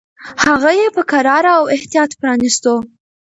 هغه یې په کراره او احتیاط پرانیستو.